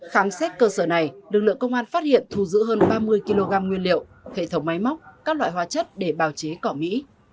khám xét cơ sở này lực lượng công an phát hiện thu giữ hơn ba mươi kg nguyên liệu hệ thống máy móc các loại hóa chất để bào chế cỏ mỹ